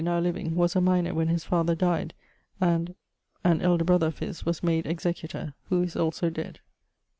now living, was a minor when his father dyed; and ..., an elder brother of his, was made executor, who is also dead.